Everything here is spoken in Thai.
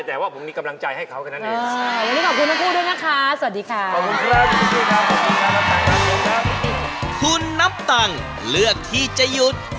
แต่ว่าผมได้กำลังใจให้เขาตรงนั้นอีก